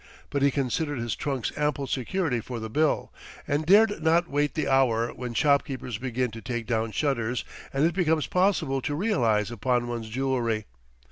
But he considered his trunks ample security for the bill, and dared not wait the hour when shopkeepers begin to take down shutters and it becomes possible to realize upon one's jewelry.